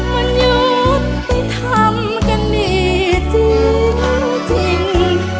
ไม่ทำกันดีจริง